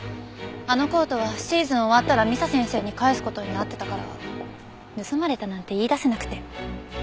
あのコートはシーズン終わったらミサ先生に返す事になってたから盗まれたなんて言い出せなくて。